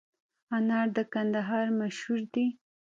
انار د کندهار مشهور دي